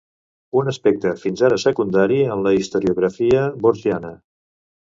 Un aspecte fins ara secundari en la historiografia borgiana.